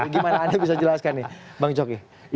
gimana anda bisa jelaskan nih bang coki